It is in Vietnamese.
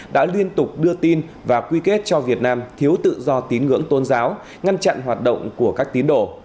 đã liên tục đưa tin và quy kết cho việt nam thiếu tự do tín ngưỡng tôn giáo ngăn chặn hoạt động của các tín đồ